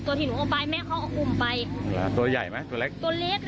ตัวที่หนูเอาไปแม่เขาเอาอุ่มไปตัวใหญ่ไหมตัวเล็ก